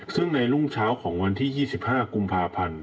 ซึ่งในรุ่งเช้าของวันที่๒๕กุมภาพันธ์